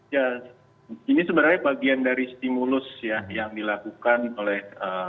ya ini sebenarnya bagian dari stimulus ya yang dilakukan oleh